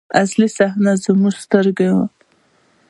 اصلي صحنه زموږ تر سترګو.